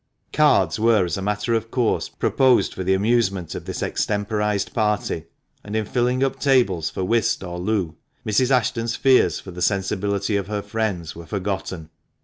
Cards were, as a matter of course, proposed for the amusement of this extemporised party, and in filling up tables for whist or loo, Mrs. Ashton's fears for the sensibility of her friends were forgotten.